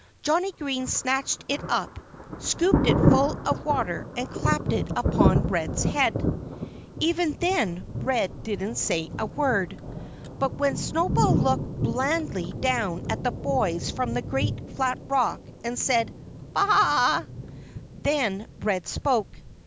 Johnnie Green snatched it up, scooped it full of water and clapped it upon Red's head. Even then Red didn't say a word. But when Snowball looked blandly down at the boys from the great flat rock and said, "Baa a a!" then Red spoke.